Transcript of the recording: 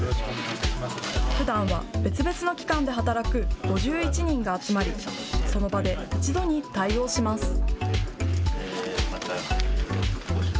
ふだんは別々の機関で働く５１人が集まりその場で一度に対応します。